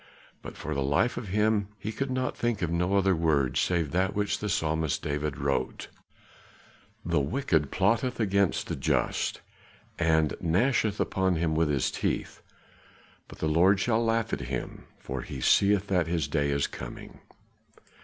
But for the life of him he could think of no other word save that which the psalmist David wrote, "The wicked plotteth against the just And gnasheth upon him with his teeth, But the Lord shall laugh at him, For he seeth that his day is coming."